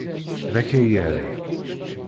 D akayad.